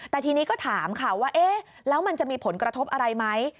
แต่ทีนี้ก็ถามค่ะว่าเอ๊ะแล้วมันจะมีผลกระทบอะไรไหม